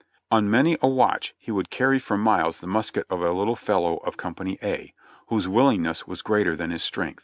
On many a march he would carry for miles the musket of a little fellow of Company A, whose willingness was greater than his strength.